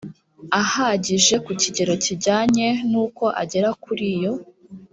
ahagije ku kigero kijyanye n uko agera kuri iyo